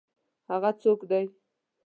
هغه څوک دی؟